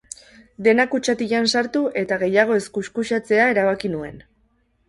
Dena kutxatilan sartu, eta gehiago ez kuxkuxeatzea erabaki nuen.